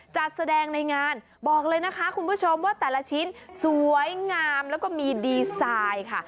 จัดแสดงในงานบอกเลยนะคะคุณผู้ชมว่าแต่ละชิ้นสวยงามแล้วก็มีดีไซน์ค่ะ